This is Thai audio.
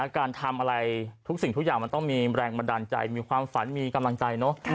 การทำอะไรทุกสิ่งทุกอย่างมันต้องมีแรงบันดาลใจมีความฝันมีกำลังใจเนอะ